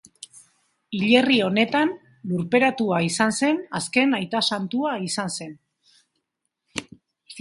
Hilerri honetan lurperatua izan zen azken aita santua izan zen.